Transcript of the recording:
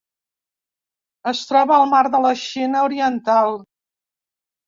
Es troba al Mar de la Xina Oriental.